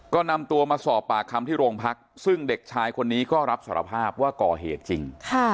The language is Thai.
ก็นำตัวมาสอบปากคำที่โรงพักซึ่งเด็กชายคนนี้ก็รับสารภาพว่าก่อเหตุจริง